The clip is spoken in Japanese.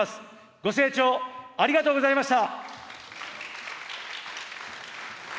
ご清聴ありがとうございました。